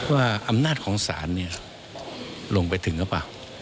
ว่าอำนาจของศาลเนี่ยลงไปถึงหรือเปล่า